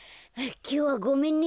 きょうはごめんね。